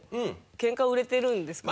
ケンカを売られてるんですか？